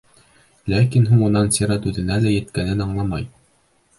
Ләкин һуңынан сират үҙенә лә еткәнен аңламай...